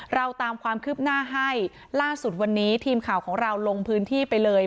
เราตามความคืบหน้าให้ล่าสุดวันนี้ทีมข่าวของเราลงพื้นที่ไปเลย